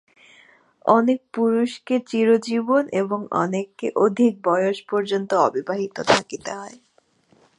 অনেক পুরুষকে চিরজীবন এবং অনেককে অধিক বয়স পর্যন্ত অবিবাহিত থাকিতে হয়।